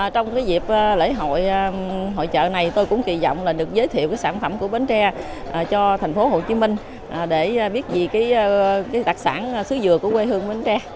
trong dịp lễ hội hội trợ này tôi cũng kỳ vọng được giới thiệu sản phẩm của bến tre cho tp hcm để biết gì đặc sản sứ dừa của quê hương bến tre